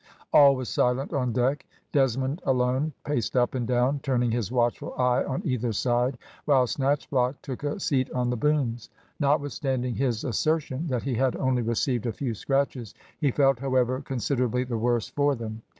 All was silent on deck. Desmond alone paced up and down turning his watchful eye on either side, while Snatchblock took a seat on the booms. Notwithstanding his assertion, that he had only received a few scratches, he felt, however, considerably the worse for them.